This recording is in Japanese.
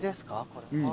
これ。